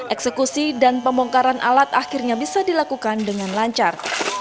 eksekusi dan pembongkaran alat akhirnya bisa dilakukan dengan lancar